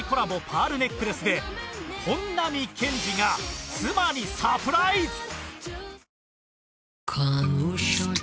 パールネックレスで本並健治が妻にサプライズ！